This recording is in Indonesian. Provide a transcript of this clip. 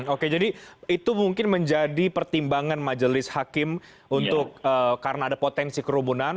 oke jadi itu mungkin menjadi pertimbangan majelis hakim untuk karena ada potensi kerumunan